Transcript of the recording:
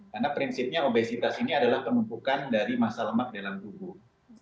karena prinsipnya obesitas ini adalah penentukan dari masa lemak dalam tubuh